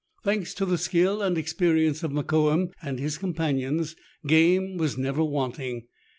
Thanks to the skill and experience of Mokoum and his companions, game was never wanting.